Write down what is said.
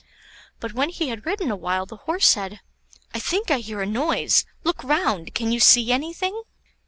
But when he had ridden awhile, the Horse said, "I think I hear a noise; look round! can you see anything?"